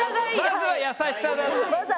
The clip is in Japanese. まずは優しさだ。